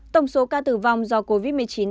tổng số ca tử vong do covid một mươi chín